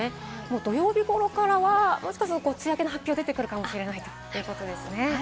土曜日頃からはもしかすると梅雨明けの発表が出てくるかもしれないということですね。